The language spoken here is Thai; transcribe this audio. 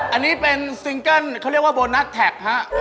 อันนี้เป็นซิงเกิ้ลเขาเรียกว่าโบนัสแท็กฮะ